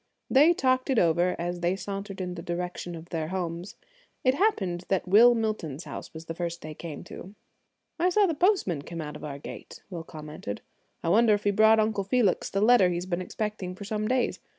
They talked it over as they sauntered in the direction of their homes. It happened that Will Milton's house was the first they came to. "I saw the postman come out of our gate," Will commented. "I wonder if he brought Uncle Felix the letter he's been expecting for some days.